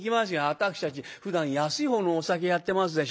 私たちふだん安いほうのお酒やってますでしょう？